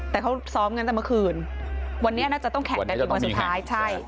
แต่เขาซ้อมกันจากตอนเมื่อคืนวันนี้น่าจะต้องแก่งกันที่วันสุดท้าย